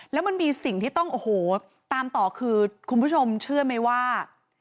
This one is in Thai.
แล้วมันมีสิ่งที่ต้องโอ้โหตามต่อคือคุณผู้ชมเชื่อไหมว่า